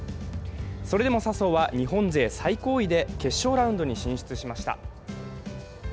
それでも笹生は日本勢最高位で決勝ラウンドに進出しました。